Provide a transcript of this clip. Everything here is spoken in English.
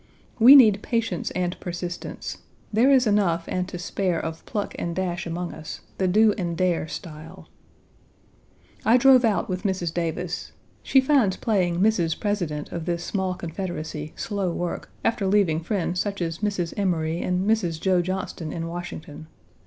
We need patience and persistence. There is enough and to spare of pluck and dash among us, the do and dare style. I drove out with Mrs. Davis. She finds playing Mrs. President of this small confederacy slow work, after leaving friends such as Mrs. Emory and Mrs. Joe Johnston1 in Washington.